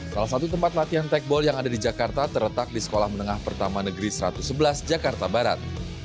salah satu tempat latihan tekball yang ada di jakarta terletak di sekolah menengah pertama negeri satu ratus sebelas jakarta barat